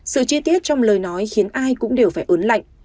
sự chi tiết trong lời nói khiến ai cũng đều phải ốn lạnh